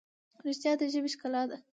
رښتیا د ژبې ښکلا ده.